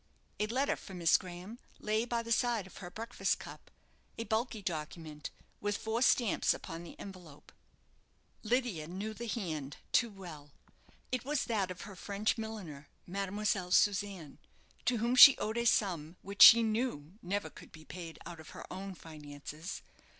A letter for Miss Graham lay by the side of her breakfast cup a bulky document, with four stamps upon the envelope. Lydia knew the hand too well. It was that of her French milliner, Mademoiselle Susanne, to whom she owed a sum which she knew never could be paid out of her own finances.